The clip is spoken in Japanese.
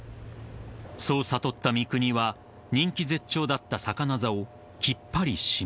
［そう悟った三國は人気絶頂だったサカナザをきっぱり閉めると］